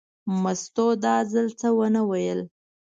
مستو دا ځل څه ونه ویل.